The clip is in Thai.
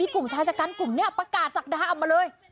คนชายการกลุ่มนี้ปรากฏศักดาเอามาเลย